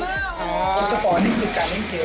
ความแบ่งกว่าสนุกคือการเล่นเกม